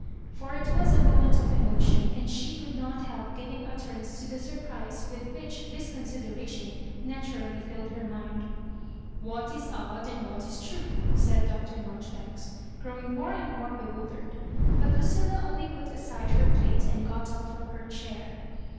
For it was a moment of emotion, and she could not help giving utterance to the surprise with which this consideration naturally filled her mind. What is odd, and what is true ?" said Dr. Maijoribanks, growing more and more bewil dered. But Lucilla only put aside her plate and got up from her chair.